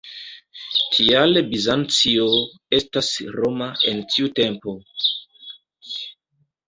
Tial Bizancio estis "Roma" en tiu tempo.